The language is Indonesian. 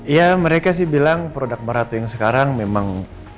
ya mereka sih bilang produk marath yang sekarang memang